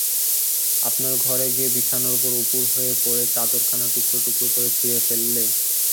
আপনার ঘরে গিয়ে বিছানার উপর উপুড় হয়ে পড়ে চাদরখানা টুকরো টুকরো করে ছিঁড়ে ফেললে।